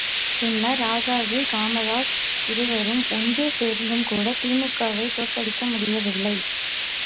பின்னர் ராஜாஜி காமராஜ் இருவரும் ஒன்று சேர்ந்தும்கூட தி.மு.க வைத் தோற்கடிக்க முடியவில்லை.